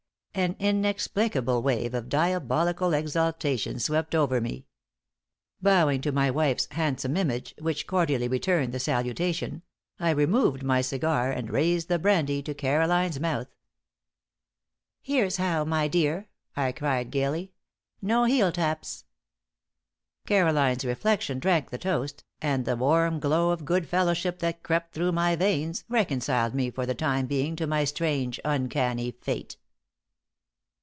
An inexplicable wave of diabolical exultation swept over me. Bowing to my wife's handsome image which cordially returned the salutation I removed my cigar and raised the brandy to Caroline's mouth. "Here's how, my dear!" I cried, gaily. "No heel taps!" Caroline's reflection drank the toast, and the warm glow of good fellowship that crept through my veins reconciled me for the time being to my strange, uncanny fate.